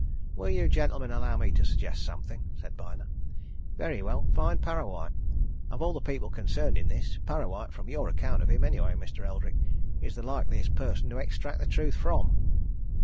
"Will you gentlemen allow me to suggest something?" said Byner. "Very well find Parrawhite! Of all the people concerned in this, Parrawhite, from your account of him, anyway, Mr. Eldrick, is the likeliest person to extract the truth from."